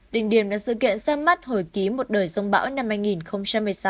đỉnh điểm là sự kiện ra mắt hồi ký một đời dông bão năm hai nghìn một mươi sáu